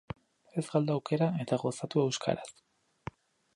Ez galdu aukera, eta gozatu euskaraz!